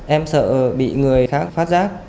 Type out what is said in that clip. em sợ bị người khác phát giác